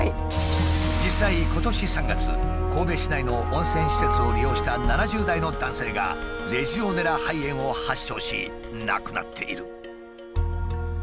実際今年３月神戸市内の温泉施設を利用した７０代の男性がレジオネラ肺炎を発症し亡くなっている。